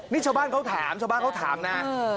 นี่ชาวบ้านเขาถามชาวบ้านเขาถามนะ